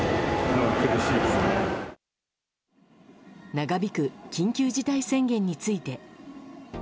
長引く緊急事態宣言について。